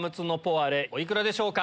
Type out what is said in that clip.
お幾らでしょうか？